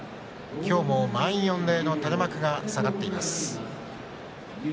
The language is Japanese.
今日も満員御礼の垂れ幕が下がっています。